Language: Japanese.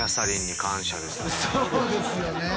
そうですよね。